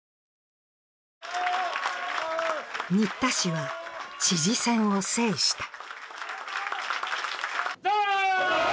新田氏は知事選を制した。